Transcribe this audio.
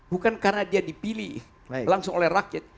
bukan karena dia dipilih langsung oleh rakyat